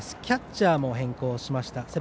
キャッチャーも変更しました。